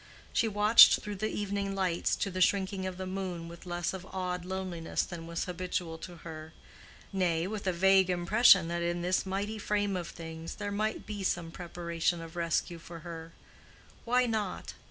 She watched through the evening lights to the sinking of the moon with less of awed loneliness than was habitual to her—nay, with a vague impression that in this mighty frame of things there might be some preparation of rescue for her. Why not?